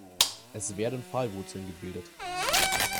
Es werden Pfahlwurzeln gebildet.